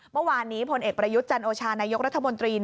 เมื่อวานนี้พลเอกประยุทธ์จันโอชานายกรัฐมนตรี